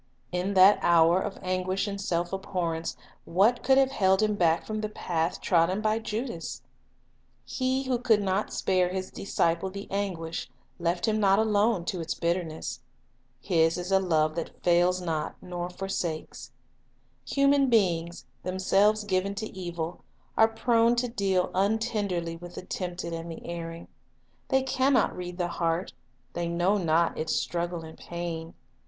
In that hour of anguish and self abhorrence, what could have held him back from the path trodden by Judas ? 1 Luke 22 : 34. 2 I.uke 22 : 33. 3 Luke 22 : 31, 32. 90 The Master Teacher He who could not spare His disciple the anguish, left Not Alone jjj m not a i one to its bitterness. His is a love that fails not nor forsakes. Human beings, themselves given to evil, are prone to deal un tenderly with the tempted and the erring. They can not read the heart, they know not its struggle and pain.